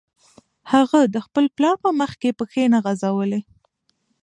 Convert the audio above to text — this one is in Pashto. هغه د پلار په مخکې پښې نه غځولې